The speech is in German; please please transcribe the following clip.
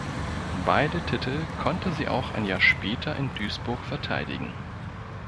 Beide Titel konnte sie auch ein Jahr später in Duisburg verteidigen.